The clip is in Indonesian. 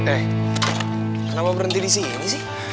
eh kenapa berhenti di sini sih